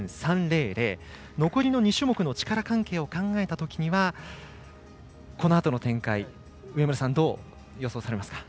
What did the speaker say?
残りの２種目の力関係を考えたときには、このあとの展開上村さん、どう予想されますか？